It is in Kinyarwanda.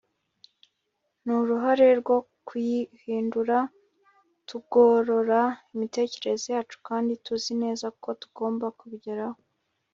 n'uruhare rwo kuyihindura tugorora imitekerereze yacu kandi tuzi neza ko tugomba kubigeraho